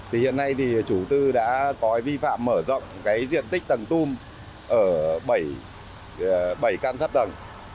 hiện nay chủ tư đã có vi phạm mở rộng diện tích tầng tum ở bảy căn thất tầng